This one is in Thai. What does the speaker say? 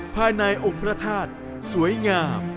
ภายในองค์พระธาตุสวยงาม